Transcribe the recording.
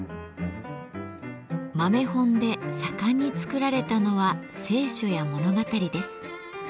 豆本で盛んに作られたのは聖書や物語です。